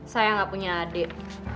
saya nggak punya adik